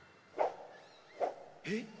えっ？